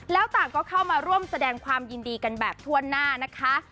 แล้วต่างก็เข้ามาร่วมแสดงความยินดีกันแบบทั่วหน้านะคะ